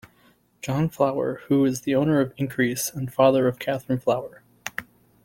John Flower who is owner of Increase and father of Katherine Flower.